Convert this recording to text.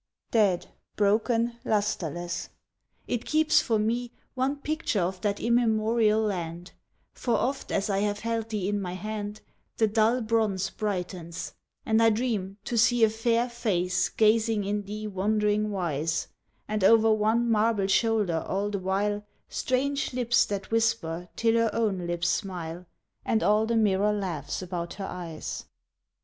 Dead, broken, lustreless! It keeps for me One picture of that immemorial land, For oft as I have held thee in my hand The dull bronze brightens, and I dream to see A fair face gazing in thee wondering wise, And o'er one marble shoulder all the while Strange lips that whisper till her own lips smile, And all the mirror laughs about her eyes.